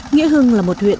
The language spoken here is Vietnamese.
nghĩa hưng là một huyện